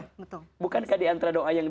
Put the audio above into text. betul bukankah diantara doa yang